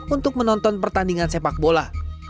untuk menonton pertandingan sepak bola